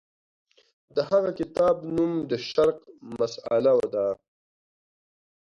د هغه کتاب نوم د شرق مسأله ده.